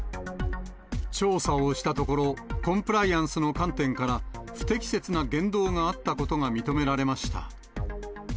調査をしたところ、コンプライアンスの観点から、不適切な言動があったことが認められました。